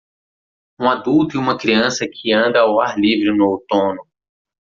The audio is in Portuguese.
Um adulto e uma criança que anda ao ar livre no outono.